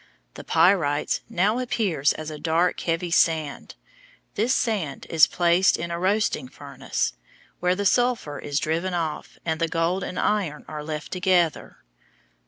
The pyrites now appears as a dark, heavy sand. This sand is placed in a roasting furnace, where the sulphur is driven off, and the gold and iron are left together.